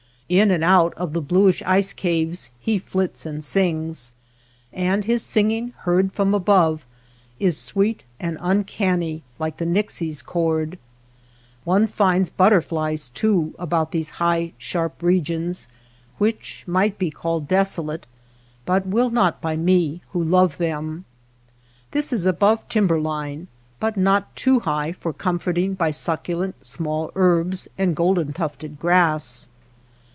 In and out of the bluish ice caves he flits and sings, and his singing heard from above is sweet and uncanny like the Nixie's chord. One finds butter flies, too, about these high, sharp regions which might be called desolate, but will not by me who love them. This is above tim ber line but not too high for comforting by succulent small herbs and golden tufted grass.